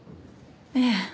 ええ。